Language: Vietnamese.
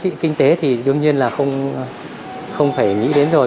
cái giá trị kinh tế thì đương nhiên là không phải nghĩ đến rồi